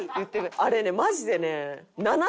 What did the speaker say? あれねマジでね